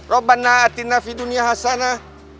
robbanna atinna fiduniyah hasanah